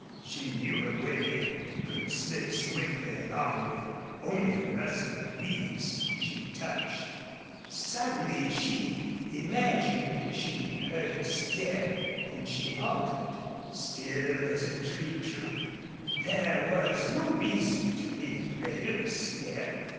She knew her way and could slip swiftly along with only a rustle of leaves she touched. Suddenly she imagined she heard a step and she halted, still as a tree trunk. There was no reason to be afraid of a step.